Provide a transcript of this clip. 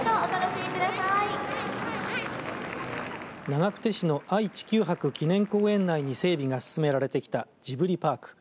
長久手市の愛・地球博記念公園内に整備が進められてきたジブリパーク。